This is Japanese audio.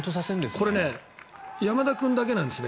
これ、山田君だけなんですね。